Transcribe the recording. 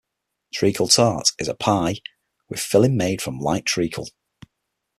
Treacle tart is a pie with a filling made from light treacle.